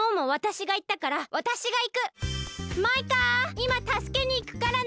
いまたすけにいくからね！